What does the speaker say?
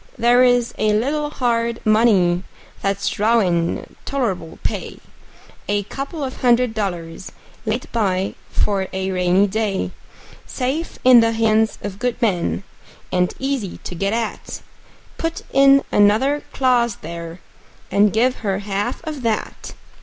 There is a little hard money that's drawin' tol'rable pay: A couple of hundred dollars laid by for a rainy day; Safe in the hands of good men, and easy to get at; Put in another clause there, and give her half of that.